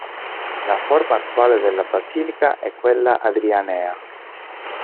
La forma attuale della basilica è quella adrianea.